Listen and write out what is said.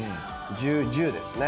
１０・１０ですね。